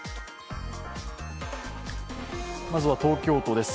まずは東京都です